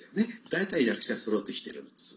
大体、役者はそろってきているんです。